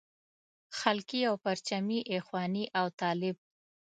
خلقي او پرچمي اخواني او طالب.